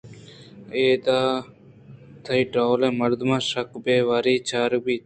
اِدا تئی ڈولیں مردماں شک ءُبے باوری چارگ بیت